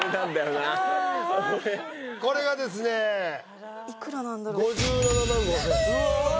俺これがですねいくらなんだろうわ